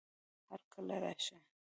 هر کله راشئ